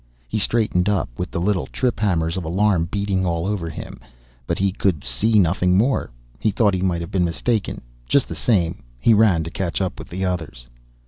He straightened up with the little trip hammers of alarm beating all over him, but he could see nothing more. He thought he might have been mistaken. Just the same, he ran to catch up with the others.